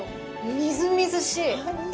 みずみずしい。